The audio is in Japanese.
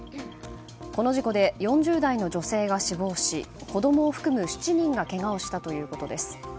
この事故で４０代の女性が死亡し子供を含む７人がけがをしたということです。